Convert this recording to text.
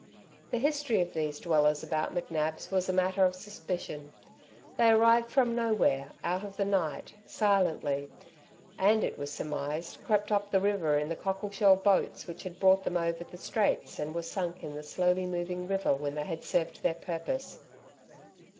The history of these dwellers about McNab's was a matter of suspicion. They arrived from nowhere, out of the night, silently, and it was surmised, crept up the river in the cockle shell boats which had brought them over the Straits and were sunk in the slowly moving river when they had served their purpose.